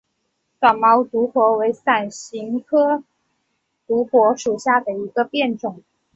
短毛独活为伞形科独活属下的一个变种。